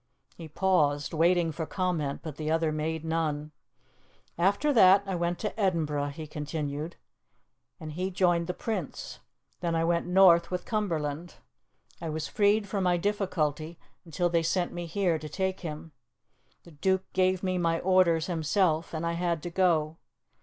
He paused, waiting for comment, but the other made none. "After that I went to Edinburgh," he continued, "and he joined the Prince. Then I went north with Cumberland. I was freed from my difficulty until they sent me here to take him. The Duke gave me my orders himself, and I had to go.